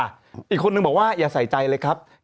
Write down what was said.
อีกคนนึงบอกว่าอย่าใส่ใจเลยครับ